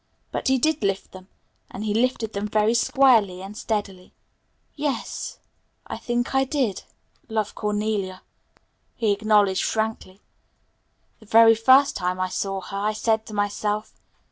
But he did lift them and he lifted them very squarely and steadily. "Yes, I think I did love Cornelia," he acknowledged frankly. "The very first time that I saw her I said to myself.